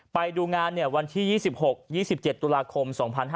ไปดูงานวันที่๒๖๒๗ตุลาคม๒๕๕๙